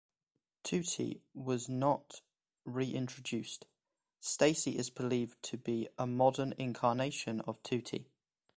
Tutti was not reintroduced; Stacie is believed to be a modern incarnation of Tutti.